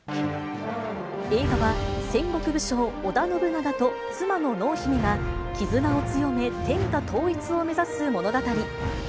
映画は、戦国武将、織田信長と妻の濃姫が、絆を強め、天下統一を目指す物語。